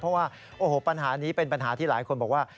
เพราะว่าโอ้โหปัญหานี้เป็นปัญหาที่หลายคนบอกว่า